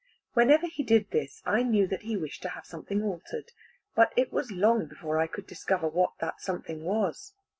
Whenever he did this, I knew that he wished to have something altered; but it was long before I could discover what that something was.